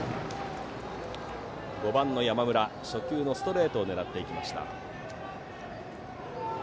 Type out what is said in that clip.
５番の山村、初球のストレートを狙っていきました。